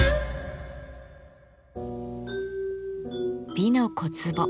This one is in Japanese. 「美の小壺」